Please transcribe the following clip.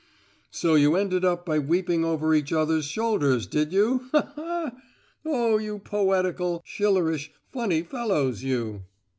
"So you ended up by weeping over each others shoulders, did you? Ha ha ha! Oh, you poetical, Schiller ish, funny fellows, you!"